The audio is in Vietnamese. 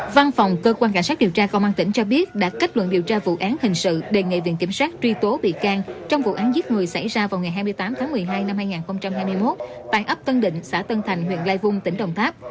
văn phòng cơ quan cảnh sát điều tra công an tỉnh cho biết đã kết luận điều tra vụ án hình sự đề nghị viện kiểm sát truy tố bị can trong vụ án giết người xảy ra vào ngày hai mươi tám tháng một mươi hai năm hai nghìn hai mươi một tại ấp tân định xã tân thành huyện lai vung tỉnh đồng tháp